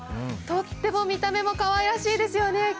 とっても見た目もかわいらしいですよね。